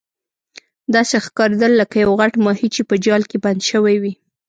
داسې ښکاریدل لکه یو غټ ماهي چې په جال کې بند شوی وي.